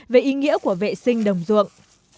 về ý nghĩa của vệ sinh đồng ruộng